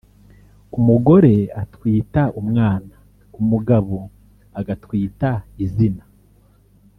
Umugore atwita umwana umugabo agatwita izina